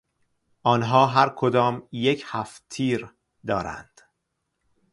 آنها هر کدام یک هفتتیر دارند.